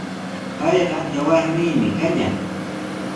Payqa yawarniimi kallan.